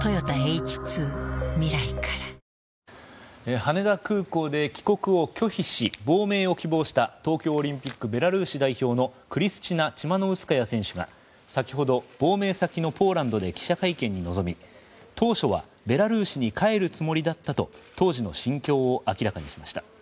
羽田空港で帰国を拒否し亡命を希望した東京オリンピックベラルーシ代表のクリスチナ・チマノウスカヤ選手が、先ほど亡命先のポーランドで記者会見に臨み当初はベラルーシに帰るつもりだったと当時の心境を明らかにしました。